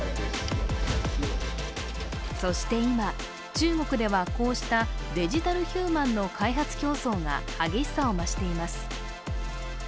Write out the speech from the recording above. そして今、中国ではこうしたデジタルヒューマンの開発競争が激しさを増しています。